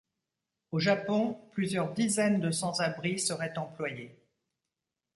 Au Japon, plusieurs dizaines de sans-abris seraient employés.